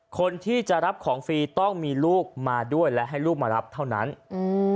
คนที่จะรับของฟรีต้องมีลูกมาด้วยและให้ลูกมารับเท่านั้นอืม